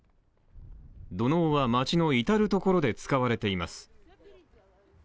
土のうは、街の至る所で使われています。